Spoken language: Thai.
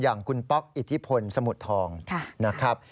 อย่างคุณป๊อกอิทธิพลสมุทรทองนะครับ